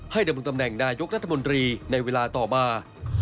ดำรงตำแหน่งนายกรัฐมนตรีในเวลาต่อมา